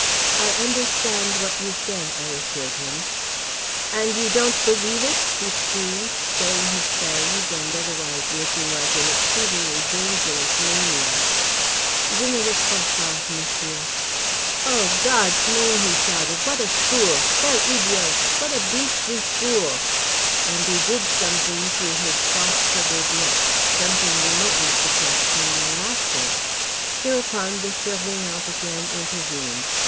"I understand what you say," I assured him. "And you don't believe it?" he screamed, showing his fangs and otherwise looking like an exceedingly dangerous maniac. "Je ne le crois pas, Monsieur." "O God's name!" he shouted. "What a fool, quel idiot, what a beastly fool!" And he did something through his froth covered lips, something remotely suggesting laughter. Hereupon the Surveillant again intervened.